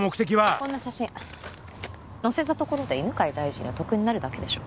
こんな写真載せたところで犬飼大臣の得になるだけでしょ？